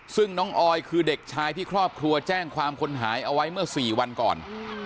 ซึ่งน้องออยคือเด็กชายที่ครอบครัวแจ้งความคนหายเอาไว้เมื่อ๔วันก่อน